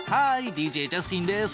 ＤＪジャスティンです。